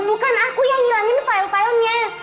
bukan aku yang ngilangin file filenya